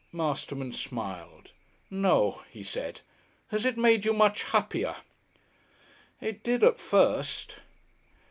Masterman smiled. "No," he said. "Has it made you much happier?" "It did at first."